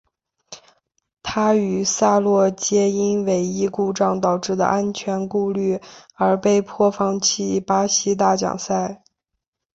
他与萨洛皆因尾翼故障导致的安全顾虑而被迫放弃巴西大奖赛。